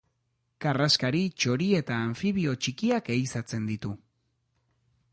Karraskari, txori eta anfibio txikiak ehizatzen ditu.